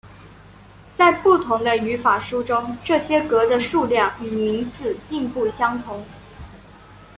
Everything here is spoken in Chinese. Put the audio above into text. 在不同的语法书中这些格的数量与名字并不相同。